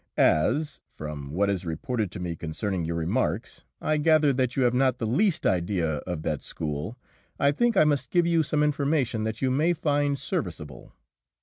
As, from what is reported to me concerning your remarks, I gather that you have not the least idea of that school, I think I must give you some information that you may find serviceable.